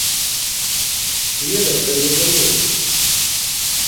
Сведак жа не было!